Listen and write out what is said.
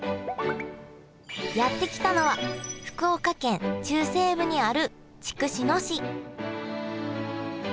やって来たのは福岡県中西部にある筑紫野市